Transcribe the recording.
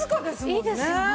いいですよね。